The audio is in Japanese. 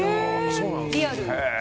リアル。